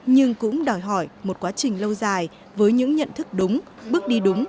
nhưng cũng đòi hỏi một quá trình lâu dài với những nhận thức đúng bước đi đúng